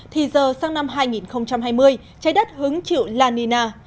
thì giờ sang năm hai nghìn hai mươi trái đất hứng chịu la nina